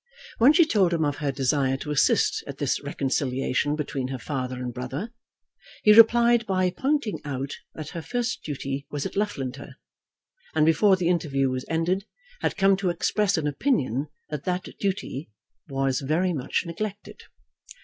When she told him of her desire to assist at this reconciliation between her father and brother, he replied by pointing out that her first duty was at Loughlinter, and before the interview was ended had come to express an opinion that that duty was very much neglected.